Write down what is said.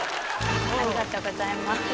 ありがとうございます。